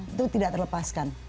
itu tidak terlepaskan